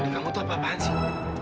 di kamu tuh apa apaan sih